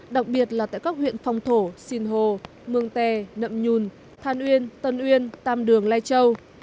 đặc biệt là tại các huyện phong thổ sinh hồ mương tè nậm nhun thàn uyên tân uyên tam đường lai châu